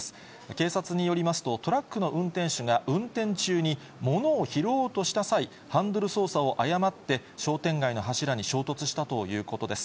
警察によりますと、トラックの運転手が運転中に物を拾おうとした際、ハンドル操作を誤って、商店街の柱に衝突したということです。